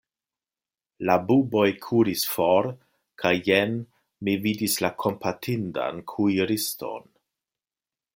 La buboj kuris for kaj jen mi vidis la kompatindan kuiriston.